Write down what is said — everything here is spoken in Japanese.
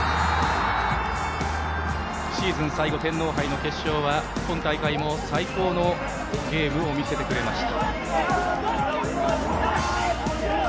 シーズン最後、天皇杯の決勝は今大会も最高のゲームを見せてくれました。